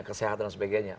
kesehatan dan sebagainya